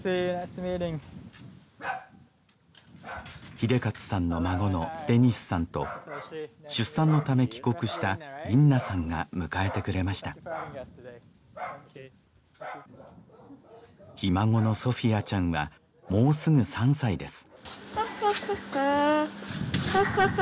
英捷さんの孫のデニスさんと出産のため帰国したインナさんが迎えてくれましたひ孫のソフィアちゃんはもうすぐ３歳です